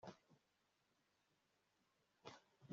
Sinashoboraga kwizera ko ari David